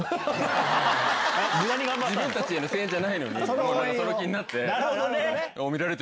自分たちへの声援じゃないのにその気になって。